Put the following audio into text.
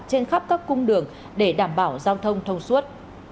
trên khắp các cung đường để đảm bảo giao thông thông suốt